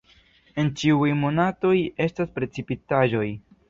En ĉiuj monatoj estas precipitaĵoj.